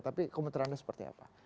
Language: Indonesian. tapi kementeriannya seperti apa